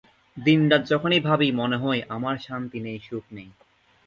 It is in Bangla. দিনরাত যখনই ভাবি, মনে হয়, আমার শান্তি নেই, সুখ নেই।